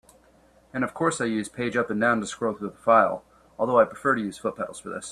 And of course I use page up and down to scroll through the file, although I prefer to use foot pedals for this.